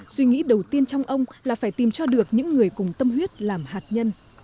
suy nghĩ đầu tiên trong ông là phải tìm cho được những người cùng tâm huyết làm hạt nhân